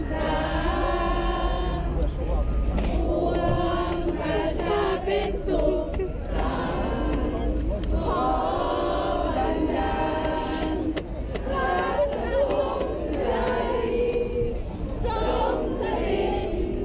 จงเสร็จชั้นความรักหรืออ่านหรือใคร